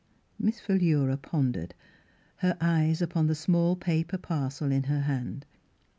" Miss Philura pondered, her eyes upon the small paper parcel in her hand.